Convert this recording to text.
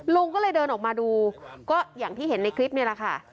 ลุงก็เลยเดินออกมาดูก็อย่างที่เห็นในคลิปนี่แหละค่ะ